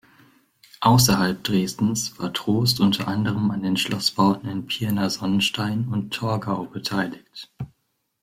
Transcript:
Außerhalb Dresdens war Trost unter anderem an den Schlossbauten in Pirna-Sonnenstein und Torgau beteiligt.